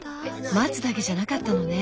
松だけじゃなかったのね。